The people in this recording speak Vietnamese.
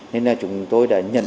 nên là chúng tôi đã nhận